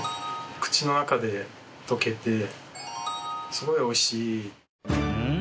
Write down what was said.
口の中で溶けてすごいおいしい。